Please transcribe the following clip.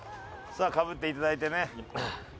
さあかぶって頂いてね。